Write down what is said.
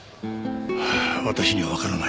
私にはわからない。